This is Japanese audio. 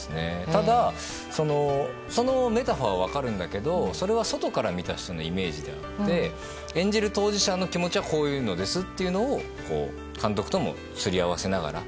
ただ、そのメタファーは分かるんだけどそれは外から見た人のイメージであって演じる当事者の気持ちはこういうのですというのを監督ともすり合わせながら。